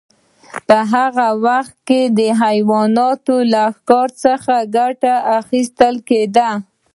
په هغه وخت کې د حیواناتو له ښکار څخه ګټه اخیستل کیده.